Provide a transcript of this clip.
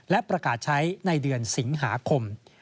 และประกาศใช้ในเดือนสิงหาคม